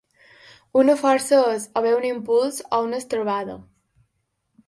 Una força és o bé un impuls o una estrebada.